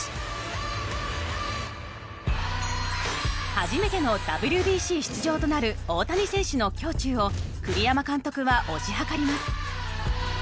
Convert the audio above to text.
初めてのＷＢＣ出場となる大谷選手の胸中を栗山監督は推し量ります。